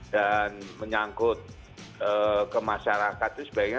dan menyangkut ke masyarakat itu sebenarnya